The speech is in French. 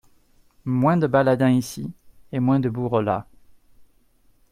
Moins de baladins ici, et moins de bourreaux là.